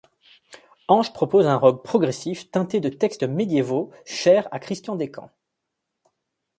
Ange propose un rock progressif teinté de textes médiévaux chers à Christian Descamps.